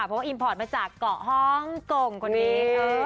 เพราะว่าอิมพอร์ตมาจากเกาะฮ่องกงคนนี้